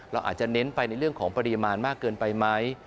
เราอาจจะเน้นไปในเรื่องของปริมาณมากเกินไปไหม